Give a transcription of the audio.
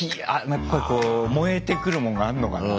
やっぱりこう燃えてくるもんがあんのかな？